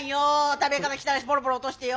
食べ方汚えしポロポロ落としてよ。